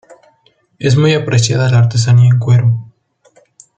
Es muy apreciada la artesanía en cuero.